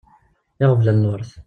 Iɣeblan n lwert.